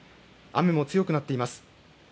雨も強くなっています。